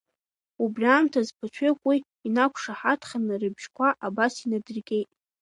Убри аамҭаз ԥыҭҩык уи инақәшаҳаҭханы рыбжьқәа абас инадыргеит.